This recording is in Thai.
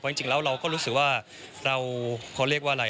จริงแล้วเราก็รู้สึกว่าเราเขาเรียกว่าอะไร